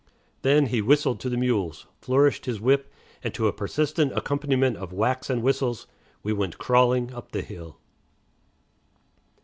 Then, he whistled to the mules, flourished his whip, and to a persistent accompaniment of whacks and whistles we went crawling up the hill.